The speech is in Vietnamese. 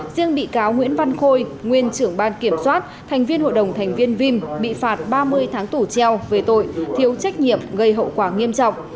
riêng bị cáo nguyễn văn khôi nguyên trưởng ban kiểm soát thành viên hội đồng thành viên vim bị phạt ba mươi tháng tù treo về tội thiếu trách nhiệm gây hậu quả nghiêm trọng